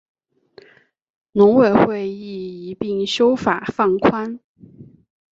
农委会亦一并修法放宽